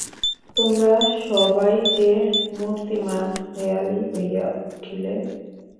তোমরা সবাই যে মূর্তিমান হেঁয়ালি হইয়া উঠিলে।